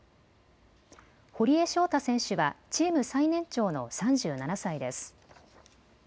堀江翔太選手はチーム最年長の３７歳です。